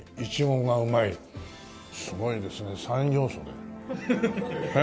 すごいですね三要素で。